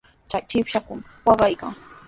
Chay shipashraykumi waqaykaa.